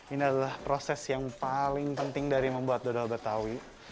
ini adalah proses yang paling penting dari membuat dodol betawi